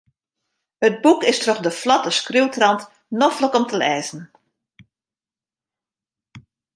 It boek is troch de flotte skriuwtrant noflik om te lêzen.